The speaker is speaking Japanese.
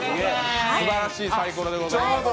すばらしいサイコロでございます。